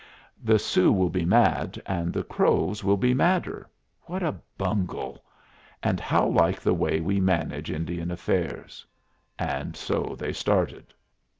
"The Sioux will be mad, and the Crows will be madder. What a bungle! and how like the way we manage Indian affairs!" And so they started.